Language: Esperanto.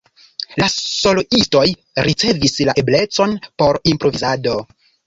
La soloistoj ricevis la eblecon por improvizado.